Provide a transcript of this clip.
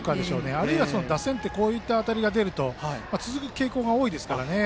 あるいは打線ってこういう当たりが出ると続く傾向が多いですからね。